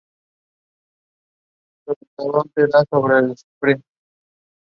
Para votar, se debe marcar la boleta electoral con un sello con tinta roja.